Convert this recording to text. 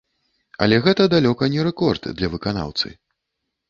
Але гэта далёка не рэкорд ля выканаўцы.